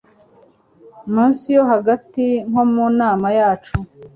munsi yo hagati nko ku nama yacu